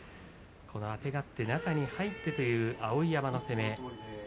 あてがって中に入ってという碧山の攻め。